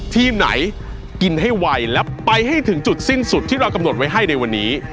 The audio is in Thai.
ทีมไหนกินให้ไวและไปให้ถึงจุดสิ้นสุดที่เรากำหนดไว้ให้ในวันนี้